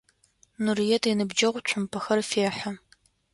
Нурыет иныбджэгъу цумпэхэр фехьы.